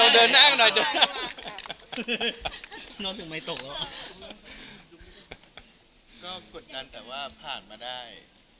ก็กดดันแต่ว่าผ่านมาได้